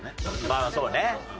まあそうねうん。